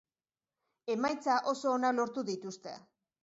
Emaitza oso onak lortu dituzte.